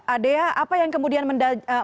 ada apa yang kemudian mendalami